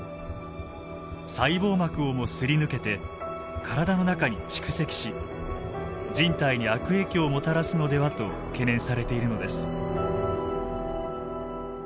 細胞膜をもすり抜けて体の中に蓄積し人体に悪影響をもたらすのではと懸念されているのです。